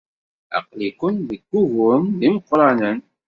Aql-iken deg wuguren d imeqranen.